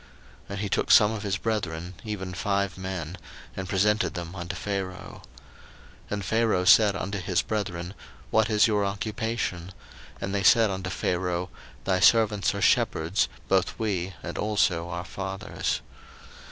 01:047:002 And he took some of his brethren, even five men, and presented them unto Pharaoh. 01:047:003 And Pharaoh said unto his brethren, What is your occupation? And they said unto Pharaoh, Thy servants are shepherds, both we, and also our fathers.